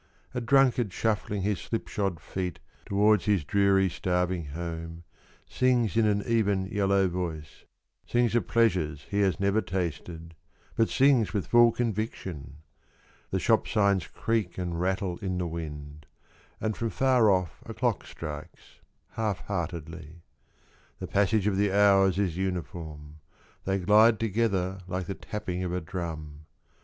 — A drunkard shuffling his slipshod feet Towards his dreary starving home, Sings in an even yellow voice : Sings of pleasures he has never tasted, But sings with full conviction. The shop signs creak and rattle in the wind And from far off a clock strikes (half heartedly.) The passage of the hours is uniform ; They glide together like the tapping of a drum.